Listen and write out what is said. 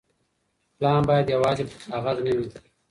پلان بايد يوازي په کاغذ نه وي.